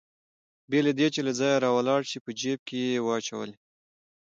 بې له دې چې له ځایه راولاړ شي په جېب کې يې واچولې.